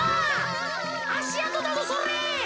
あしあとだぞそれ。